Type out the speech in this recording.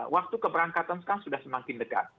waktu keberangkatan sekarang sudah semakin dekat